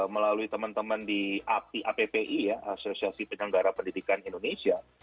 melalui teman teman di appi ya asosiasi penyelenggara pendidikan indonesia